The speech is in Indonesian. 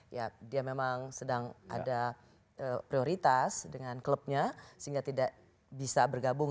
ya dia memang sedang ada prioritas dengan klubnya sehingga tidak bisa bergabung